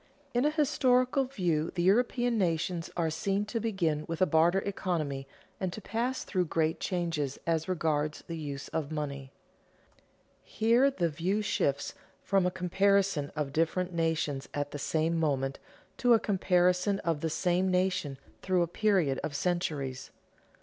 _In a historical view the European nations are seen to begin with a barter economy and to pass through great changes as regards the use of money._ Here the view shifts from a comparison of different nations at the same moment to a comparison of the same nation through a period of centuries.